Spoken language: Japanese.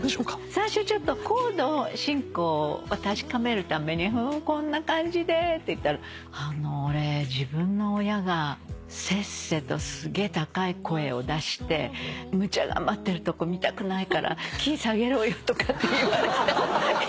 最初ちょっとコード進行を確かめるためにこんな感じでって言ったら「俺自分の親がせっせとすげえ高い声を出してむっちゃ頑張ってるとこ見たくないからキー下げろよ」とかって言われて。